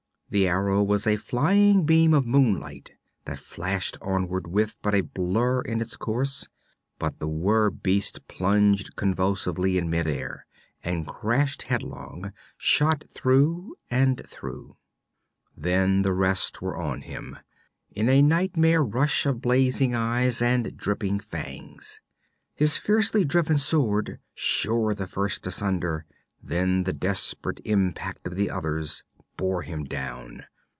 The arrow was a flying beam of moonlight that flashed onward with but a blur in its course, but the were beast plunged convulsively in midair and crashed headlong, shot through and through. Then the rest were on him, in a nightmare rush of blazing eyes and dripping fangs. His fiercely driven sword shore the first asunder; then the desperate impact of the others bore him down.